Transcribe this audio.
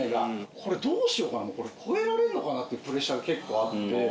「これどうしようかな超えられんのかな」っていうプレッシャーが結構あって。